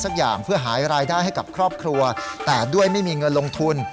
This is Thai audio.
จากผู้หญิงต้องหายรายได้ให้กับครอบครัวแต่ด้วยไม่มีเงินลงทุน